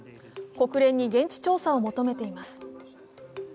国連に現地調査を求めています。